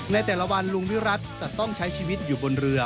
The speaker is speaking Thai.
ในแต่ละวันลุงวิรัติจะต้องใช้ชีวิตอยู่บนเรือ